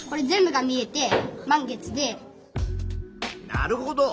なるほど。